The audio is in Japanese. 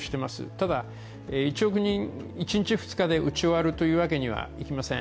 ただ、１億人、１日、２日で打ち終わるというわけにはいきません。